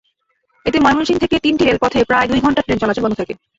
এতে ময়মনসিংহ থেকে তিনটি রেলপথে প্রায় দুই ঘণ্টা ট্রেন চলাচল বন্ধ থাকে।